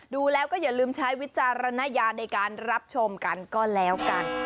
ดูแล้วก็อย่าลืมใช้วิจารณญาณในการรับชมกันก็แล้วกัน